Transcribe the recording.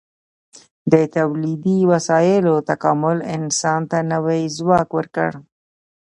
د تولیدي وسایلو تکامل انسان ته نوی ځواک ورکړ.